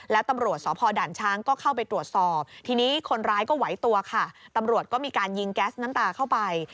แล้วตำรวจสพด่านช้างก็เข้าไปตรวจสอบทีนี้คนร้ายก็ไหวตัวค่ะตำรวจก็มีการยิงแก๊สน้ำตาเข้าไป